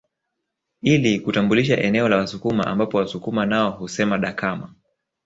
Ili kutambulisha eneo la Wasukuma ambapo Wasukuma nao husema Dakama